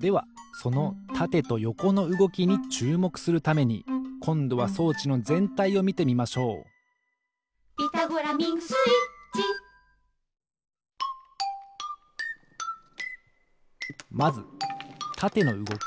ではそのたてとよこのうごきにちゅうもくするためにこんどは装置のぜんたいをみてみましょう「ピタゴラミングスイッチ」まずたてのうごき。